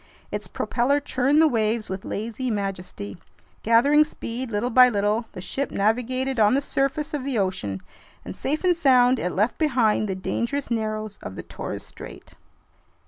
Its propeller churned the waves with lazy majesty. Gathering speed little by little, the ship navigated on the surface of the ocean, and safe and sound, it left behind the dangerous narrows of the Torres Strait.